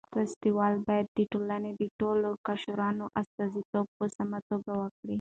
سیاستوال باید د ټولنې د ټولو قشرونو استازیتوب په سمه توګه وکړي.